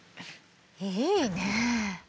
いいね。